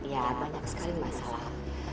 dia banyak sekali masalah